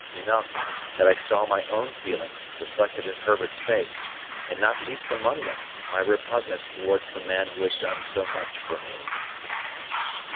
Enough, that I saw my own feelings reflected in Herbert's face, and not least among them, my repugnance towards the man who had done so much for me.